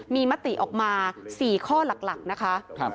มีมติออกมา๔ข้อหลักนะคะ